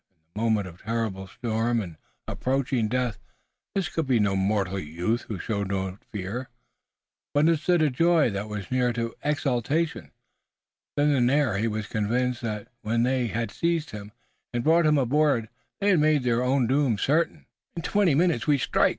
In the moment of terrible storm and approaching death this could be no mortal youth who showed not fear, but instead a joy that was near to exaltation. Then and there he was convinced that when they had seized him and brought him aboard they had made their own doom certain. "In twenty minutes, we strike!"